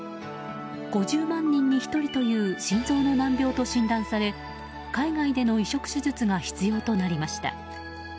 ５０万人に１人という心臓の難病と診断され海外での移植手術が必要となりました。